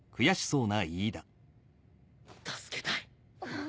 助けたい。